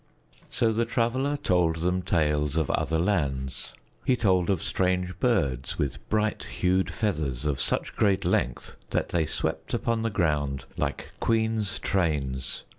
So the Traveler told them tales of other lands. He told of strange birds with bright hued feathers of such great length that they swept upon the ground like queens' trains.